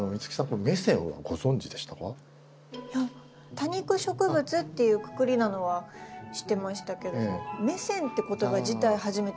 多肉植物っていうくくりなのは知ってましたけどメセンって言葉自体初めて聞きました。